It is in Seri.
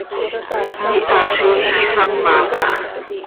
Iiha z iij sama caha.